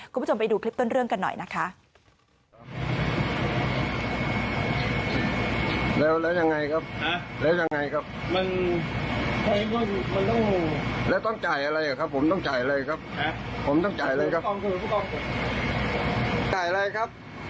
คุณผู้ชมไปดูคลิปต้นเรื่องกันหน่อยนะคะ